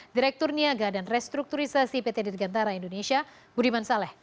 direktur niaga dan restrukturisasi pt dirgantara indonesia budiman saleh